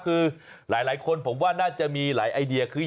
คือหลายคนผมว่าน่าจะมีหลายไอเดียคือ